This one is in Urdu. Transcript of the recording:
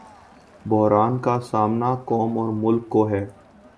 بحران کا سامنا قوم اورملک کو ہے۔